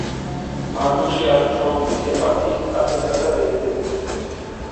მარტვილში არის ჭყონდიდის ეპარქიის კათედრა და რეზიდენცია.